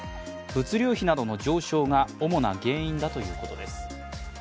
物流費などの上昇が主な原因だということです。